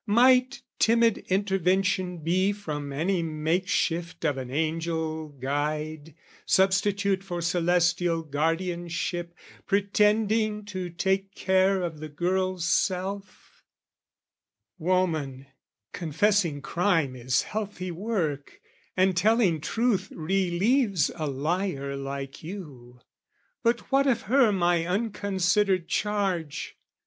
might timid intervention be From any makeshift of an angel guide, Substitute for celestial guardianship, Pretending to take care of the girl's self: "Woman, confessing crime is healthy work, "And telling truth relieves a liar like you, "But what of her my unconsidered charge?